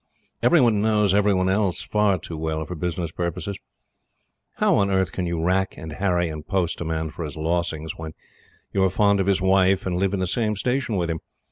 Every one knows every one else far too well for business purposes. How on earth can you rack and harry and post a man for his losings, when you are fond of his wife, and live in the same Station with him?